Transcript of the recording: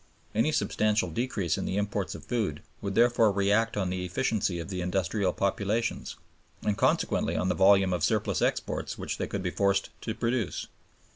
Any substantial decrease in the imports of food would therefore react on the efficiency of the industrial population, and consequently on the volume of surplus exports which they could be forced to produce.